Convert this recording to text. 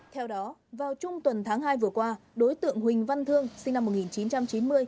theo đó vào trung tuần tháng hai vừa qua đối tượng huỳnh văn thương sinh năm một nghìn chín trăm chín mươi